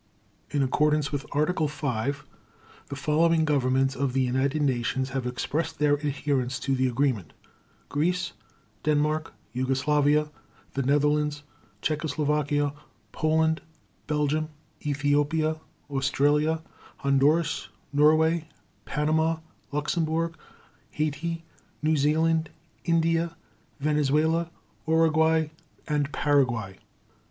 In accordance with Article 5, the following Governments of the United Nations have expressed their adherence to the Agreement: Greece, Denmark, Yugoslavia, the Netherlands, Czechoslovakia, Poland, Belgium, Ethiopia, Australia, Honduras, Norway, Panama, Luxembourg, Haiti, New Zealand, India, Venezuela, Uruguay, and Paraguay.